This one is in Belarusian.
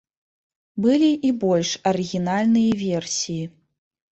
Былі і больш арыгінальныя версіі.